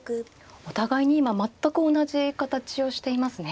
お互いに今全く同じ形をしていますね。